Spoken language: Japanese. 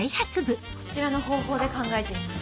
こちらの方法で考えています。